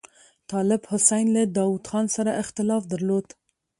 طالب حسین له داوود خان سره اختلاف درلود.